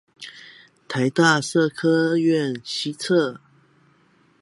臺大社科院西側